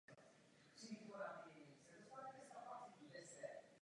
Od tohoto roku tvoří tyto tři obce jednotný celek s jednotnou samosprávou.